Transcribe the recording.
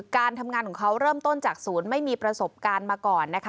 การทำงานของเขาเริ่มต้นจากศูนย์ไม่มีประสบการณ์มาก่อนนะคะ